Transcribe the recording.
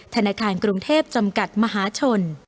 ธนาคารกรุงเทพจำกัดมหาชน